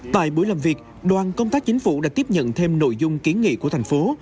tại buổi làm việc đoàn công tác chính phủ đã tiếp nhận thêm nội dung kiến nghị của thành phố